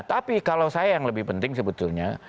tapi kalau saya yang lebih penting sebetulnya